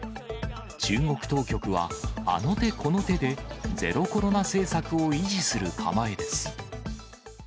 中国当局は、あの手この手で、ゼロコロナ政策を維持する構えです。